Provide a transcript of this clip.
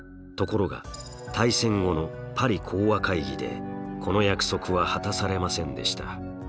ところが大戦後のパリ講和会議でこの約束は果たされませんでした。